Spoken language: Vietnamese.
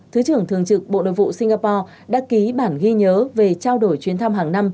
thứ trưởng thường trực bộ nội vụ singapore đã ký bản ghi nhớ về trao đổi chuyến thăm hàng năm